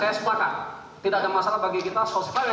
saya sepakat tidak ada masalah bagi kita sosial yang sama